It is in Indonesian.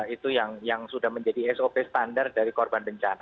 itu yang sudah menjadi sop standar dari korban bencana